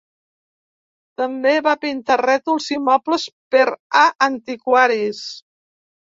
També va pintar rètols i mobles per a antiquaris.